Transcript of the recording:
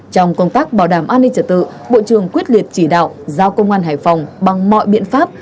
trong công tác bảo đảm an ninh trật tự bộ trưởng quyết liệt chỉ đạo giao công an hải phòng bằng mọi biện pháp